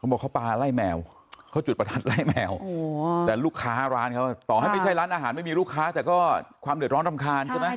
บอกเขาปลาไล่แมวเขาจุดประทัดไล่แมวแต่ลูกค้าร้านเขาต่อให้ไม่ใช่ร้านอาหารไม่มีลูกค้าแต่ก็ความเดือดร้อนรำคาญใช่ไหม